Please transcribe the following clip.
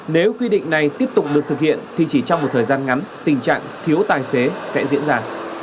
nếu quy định này tiếp tục được thực hiện thì chỉ trong một thời gian ngắn tình trạng thiếu tài xế sẽ diễn ra